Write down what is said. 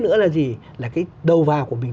nữa là gì là cái đầu vào của mình